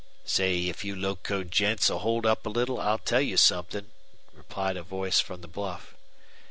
"Say, if you locoed gents'll hold up a little I'll tell you somethin'," replied a voice from the bluff.